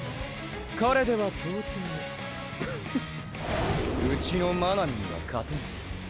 彼では到底プフッうちの真波には勝てない。